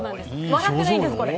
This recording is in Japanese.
笑ってないんです、これ。